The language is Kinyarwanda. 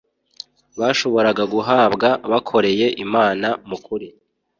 bashoboraga guhabwa bakoreye Imana mu kuri.